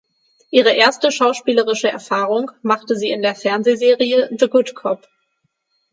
Ihre erste schauspielerische Erfahrung machte sie in der Fernsehserie The Good Cop.